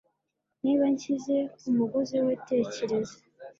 Niba nshyize kumugozi we tekereza